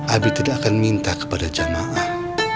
abie tidak akan minta kepada jemaah